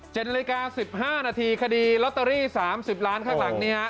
เจ็ดนาฬิกา๑๕นาทีคดีล็อตเตอรี่๓๐ล้านข้างหลังเนี้ย